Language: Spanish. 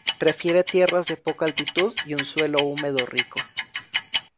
Prefiere tierras de poca altitud, y un suelo húmedo rico.